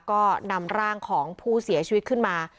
ก็นำร่างของผู้เสียชีวิตขึ้นมา